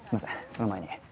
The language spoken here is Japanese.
その前に。